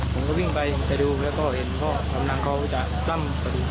ผมก็วิ่งไปจะดูแล้วก็เห็นกำลังเขาจะตั้ง